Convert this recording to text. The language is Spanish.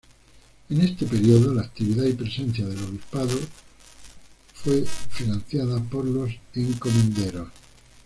En este periodo la actividad y presencia del obispado fue financiada por los encomenderos.